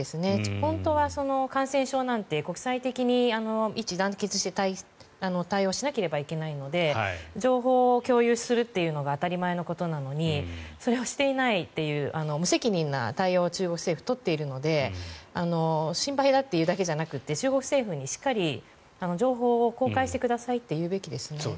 本当は感染症なんて国際的に一致団結して対応しなければいけないので情報を共有するということが当たり前のことなのにそれをしていないという無責任な対応を中国政府は取っているので心配だと言うだけじゃなくて中国政府にしっかり情報を公開してくださいと言うべきですね。